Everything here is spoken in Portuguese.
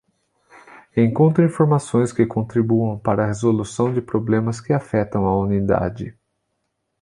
Encontre informações que contribuam para a resolução de problemas que afetam a unidade.